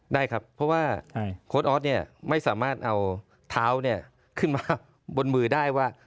ได้ครับเพราะว่าโค้ดออสเนี่ยไม่สามารถเอาเท้าขึ้นมาบนมือได้ว่า